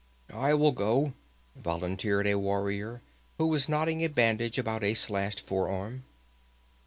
"I will go," volunteered a warrior, who was knotting a bandage about a slashed forearm.